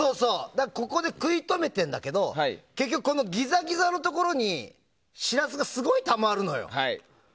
ここで食い止めてるんだけど結局ギザギザのところにシラスがすごいたまるのよ。